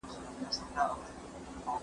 تحقيق د حقيقت کيلي ده.